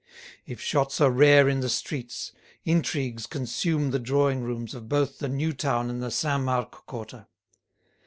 If shots are rare in the streets, intrigues consume the drawing rooms of both the new town and the Saint Marc quarter.